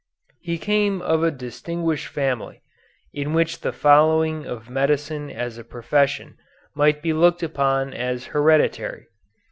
He came of a distinguished family, in which the following of medicine as a profession might be looked upon as hereditary.